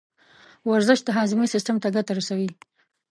ورزش د هاضمې سیستم ته ګټه رسوي.